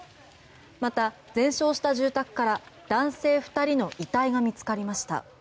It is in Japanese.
また全焼した住宅から男性２人の遺体が見つかりました。